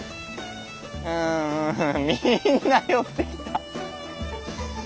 うんみんな寄ってきた！